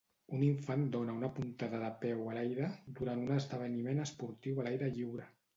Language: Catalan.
Un infant dona una puntada de peu a l'aire durant un esdeveniment esportiu a l'aire lliure.